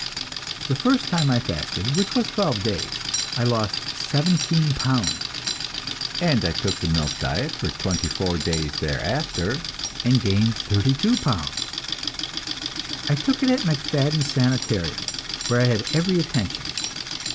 The first time I fasted, which was twelve days, I lost 17 pounds, and I took the milk diet for 24 days thereafter, and gained 32 pounds. I took it at MacFadden's Sanitarium, where I had every attention.